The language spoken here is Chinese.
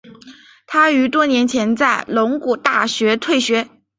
他于多年前在龙谷大学退学。